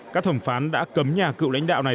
các thẩm phán đã cấm nhà cựu lãnh đạo này